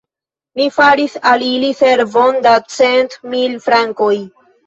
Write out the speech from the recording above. Mi faris al ili servon da cent mil frankoj!